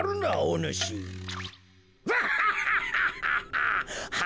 ワハハハ！